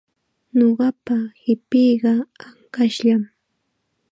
Ñuqapa qipiiqa ankashllam.